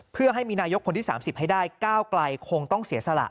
เพื่อให้มีนายกคนที่๓๐ให้ได้ก้าวไกลคงต้องเสียสละ